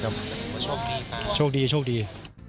ก็ถือว่าโชคดีป่ะโชคดีโชคดี